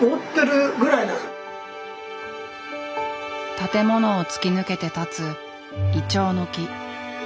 建物を突き抜けて立つイチョウの木。